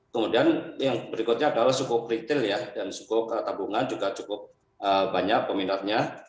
kemudian yang berikutnya adalah suku retail ya dan suku tabungan juga cukup banyak peminatnya